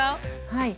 はい。